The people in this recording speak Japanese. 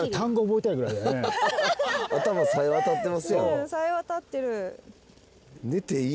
うんさえ渡ってる。